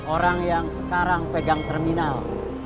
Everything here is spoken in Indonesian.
orang yang sekarang pegang terminal